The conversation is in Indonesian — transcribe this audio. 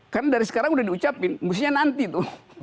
karena dari sekarang sudah diucapkan mesti nanti tuh